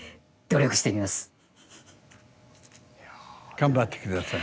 頑張って下さい。